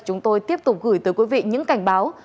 chúng tôi tiếp tục gửi tới quý vị những cảnh báo